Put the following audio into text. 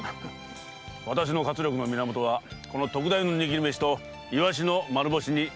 私の活力の源は特大の握り飯とイワシの丸干しにあります。